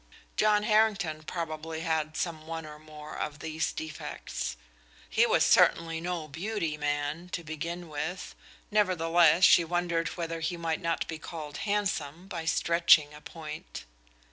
John Harrington probably had some one or more of these defects. He was certainly no "beauty man," to begin with, nevertheless, she wondered whether he might not be called handsome by stretching a point.